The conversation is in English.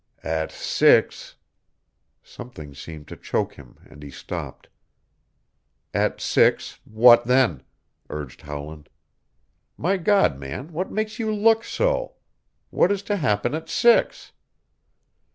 At six " Something seemed to choke him and he stopped. "At six what then?" urged Howland. "My God, man, what makes you look so? What is to happen at six?"